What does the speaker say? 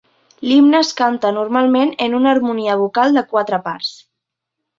L'himne es canta normalment en una harmonia vocal de quatre parts.